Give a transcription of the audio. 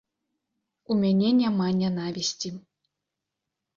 У мяне няма нянавісці.